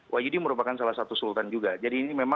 wahyudi merupakan salah satu sultan juga